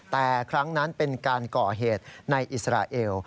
แต่ครั้งนั้นเป็นการก่อเหตุในอิสราเอล